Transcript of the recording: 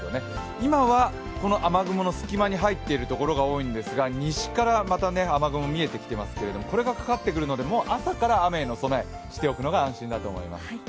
今はこの雨雲の隙間に入っているところが多いんですが西からまた雨雲が見えてきていますけどこれがかかってくるので、朝から雨への備えをしておくのが安心かと思います。